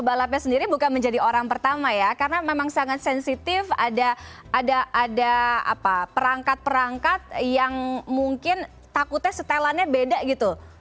balapnya sendiri bukan menjadi orang pertama ya karena memang sangat sensitif ada perangkat perangkat yang mungkin takutnya setelannya beda gitu